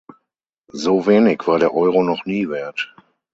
So wenig war der Euro noch nie wert.